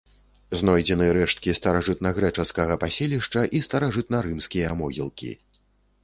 Знойдзены рэшткі старажытнагрэчаскага паселішча і старажытнарымскія могілкі.